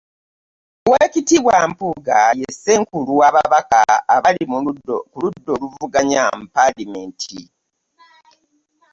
Oweekitiibwa Mpuuga, ye Ssenkulu w'ababa abali ku ludda oluvuganya mu paalamenti.